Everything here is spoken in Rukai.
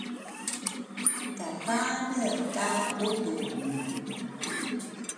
kathane ka udungu